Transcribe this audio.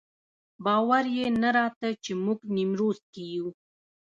باور یې نه راته چې موږ نیمروز کې یو.